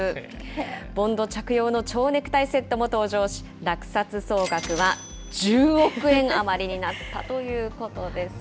ボンド着用のちょうネクタイセットも登場し、落札総額は１０億円余りになったということです。